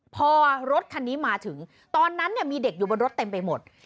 พอรถคันนี้มาถึงตอนนั้นเนี่ยมีเด็กอยู่บนรถเต็มไปหมด